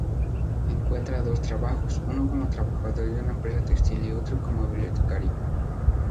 Encuentra dos trabajos, uno como trabajador de una empresa textil y otro como bibliotecario.